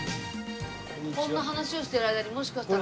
こんな話をしている間にもしかしたら。